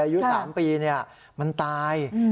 อายุ๓ปีมันตาย